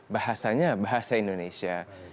bahasanya bahasa indonesia